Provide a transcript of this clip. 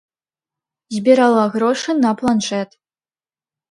Збірала грошы на планшэт.